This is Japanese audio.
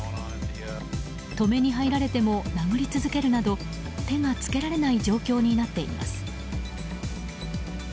止めに入られても殴り続けるなど手が付けられない状況になっています。